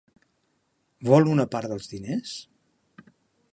Vol una part dels diners?